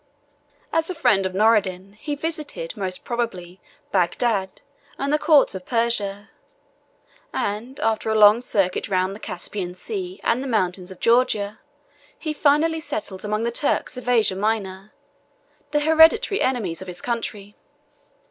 As the friend of Noureddin he visited, most probably, Bagdad, and the courts of Persia; and, after a long circuit round the Caspian Sea and the mountains of Georgia, he finally settled among the Turks of Asia Minor, the hereditary enemies of his country.